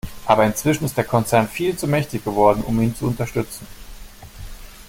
Aber inzwischen ist der Konzern viel zu mächtig geworden, um ihn zu unterstützen.